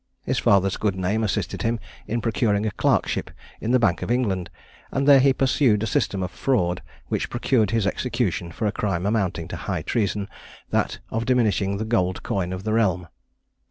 His father's good name assisted him in procuring a clerkship in the Bank of England; and there he pursued a system of fraud which procured his execution for a crime amounting to high treason that of diminishing the gold coin of the realm.